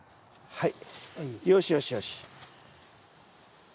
はい。